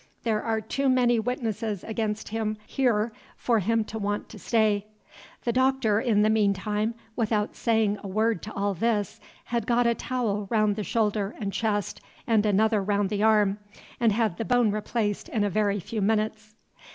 There are too many witnesses against him here for him to want to stay." The Doctor, in the mean time, without saying a word to all this, had got a towel round the shoulder and chest and another round the arm, and had the bone replaced in a very few minutes.